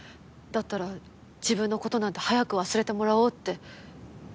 だったら自分の事なんて早く忘れてもらおうって。